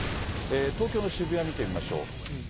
東京の渋谷見てみましょう。